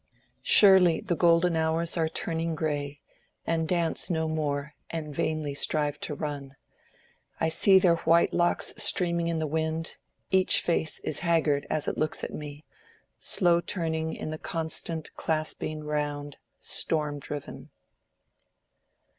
Surely the golden hours are turning gray And dance no more, and vainly strive to run: I see their white locks streaming in the wind— Each face is haggard as it looks at me, Slow turning in the constant clasping round Storm driven.